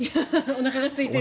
おなかがすいて。